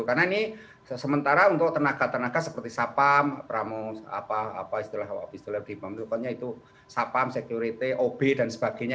karena ini sementara untuk tenaga tenaga seperti sapam pramus sapam security ob dan sebagainya